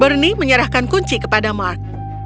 bernie menyerahkan kunci kepada mark